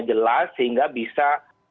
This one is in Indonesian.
jelas sehingga bisa